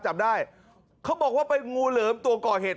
จับได้เขาบอกว่าเป็นงูเหลิมตัวก่อเหตุ